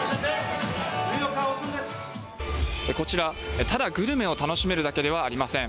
こちら、ただグルメを楽しめるだけではありません。